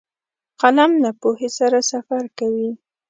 قلم له پوهې سره سفر کوي